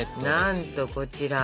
なんとこちら。